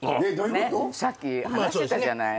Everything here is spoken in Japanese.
さっき話してたじゃない。